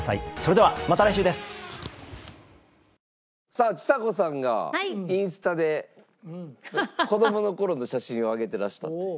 さあちさ子さんがインスタで子供の頃の写真を上げていらしたという。